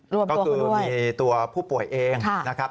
รวมตัวเขาด้วยก็คือมีตัวผู้ป่วยเองนะครับ